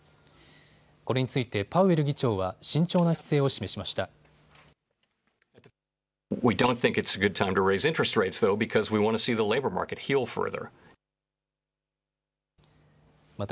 これについてパウエル議長は慎重な姿勢を示しました。